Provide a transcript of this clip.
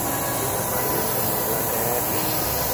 Linamaanisha mamlaka yake.